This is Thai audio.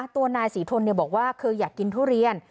ตัวนายศรีทนบอกว่าเคยอยากกินทุเรียน